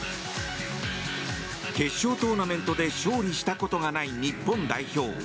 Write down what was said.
決勝トーナメントで勝利したことがない日本代表。